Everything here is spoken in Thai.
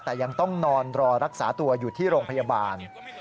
แต่ยังต้องนอนรอรักษาตัวอยู่ที่โรงพยาบาล